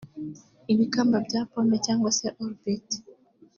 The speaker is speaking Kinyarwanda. ibikamba bya pome cyangwa se orbite